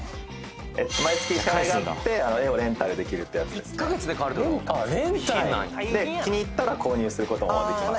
毎月支払いがあって絵をレンタルできるってやつですねあっレンタルなんやで気に入ったら購入することもできます